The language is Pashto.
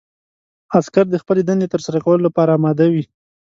عسکر د خپلې دندې ترسره کولو لپاره اماده وي.